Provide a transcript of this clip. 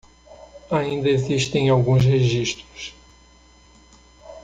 Ainda existem alguns registros